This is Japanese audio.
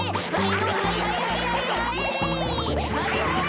はいはい！